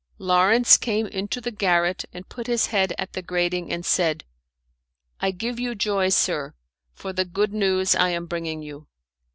Lawrence came into the garret and put his head at the grating, and said, "I give you joy, sir, for the good news I am bringing you."